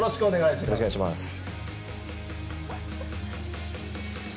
よろしくお願いします。